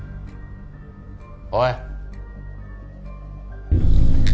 おい！